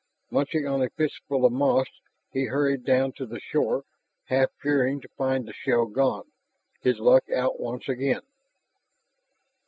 Munching on a fistful of moss, he hurried down to the shore, half fearing to find the shell gone, his luck out once again.